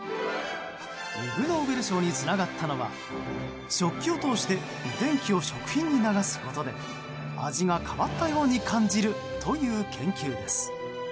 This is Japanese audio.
イグ・ノーベル賞につながったのは食器を通して電気を食品に流すことで味が変わったように感じるという研究です。